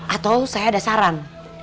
atau saya ada saran